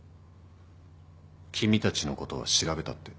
君たちのことは調べたって。